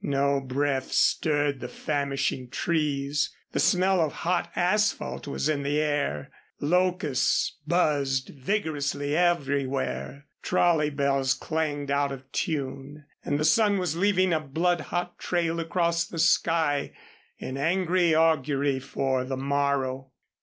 No breath stirred the famishing trees, the smell of hot asphalt was in the air, locusts buzzed vigorously everywhere, trolley bells clanged out of tune, and the sun was leaving a blood hot trail across the sky in angry augury for the morrow.